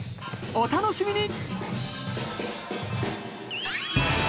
お楽しみに！